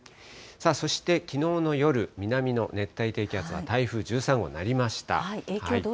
そして、きのうの夜、南の熱帯低気圧は台風１３号になりました。